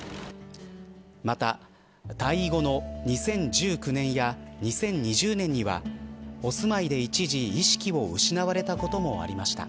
また退位後の２０１９年や２０２０年にはお住まいで一時意識を失われたこともありました。